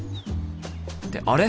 ってあれ！？